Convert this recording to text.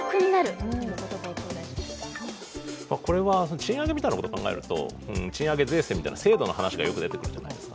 賃上げみたいなことを考えると、賃上げ税制みたいな制度の話がよく出てくるじゃないですか。